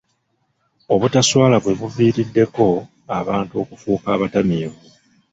Obutaswala bwe buviiriddeko abantu okufuuka abatamiivi.